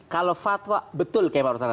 kalau fatwa betul